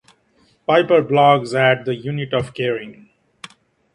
Piper blogs at "The Unit of Caring".